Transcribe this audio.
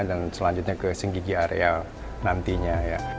dan selanjutnya ke senggigi area nantinya